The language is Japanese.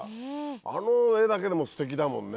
あの画だけでもステキだもんね。